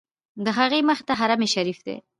د هغې مخې ته حرم شریف دی.